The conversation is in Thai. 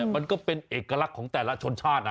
มันก็เป็นเอกลักษณ์ของแต่ละชนชาตินะ